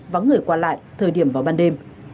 và người quản lại thời điểm vào ban đêm